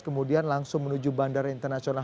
kemudian langsung menuju bandara internasional